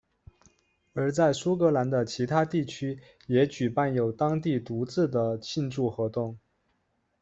而在苏格兰的其他地区也举办有当地独自的庆祝活动。